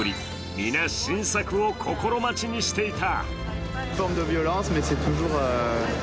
皆、新作を心待ちにしていた。